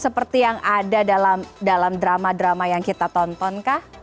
seperti yang ada dalam drama drama yang kita tonton kah